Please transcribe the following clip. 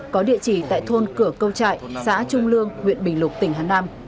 có địa chỉ tại thôn cửa câu trại xã trung lương huyện bình lục tỉnh hà nam